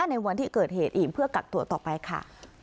ในวันที่เกิดเหตุอีกเพื่อกักตัวต่อไปค่ะ